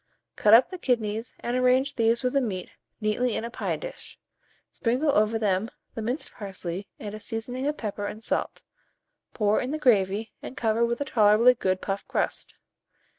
Cut up the kidneys, and arrange these with the meat neatly in a pie dish; sprinkle over them the minced parsley and a seasoning of pepper and salt; pour in the gravy, and cover with a tolerably good puff crust.